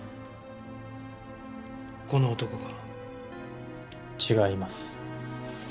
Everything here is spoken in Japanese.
この男か？違います。